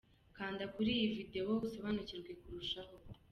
Kanda kuri iyi video usobanukirwe kurushaho.